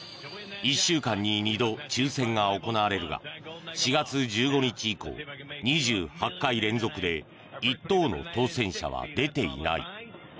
１週間に２度抽選が行われるが４月１５日以降２８回連続で１等の当選者は出ていない。